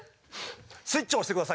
スイッチを押してください。